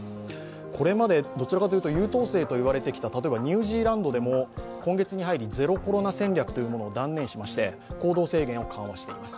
これまでどちらかというと優等生といわれてきたニュージーランドでも今月に入りゼロコロナ戦略というものを断言しまして行動制限を緩和しています。